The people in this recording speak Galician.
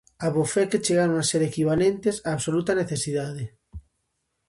Abofé que chegaron a ser equivalentes á absoluta necesidade.